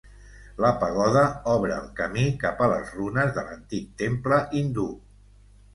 La pagoda obre el camí cap a les runes de l'antic temple hindú.